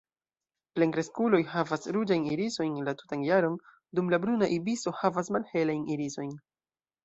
Plenkreskuloj havas ruĝajn irisojn la tutan jaron, dum la Bruna ibiso havas malhelajn irisojn.